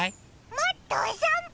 もっとおさんぽ！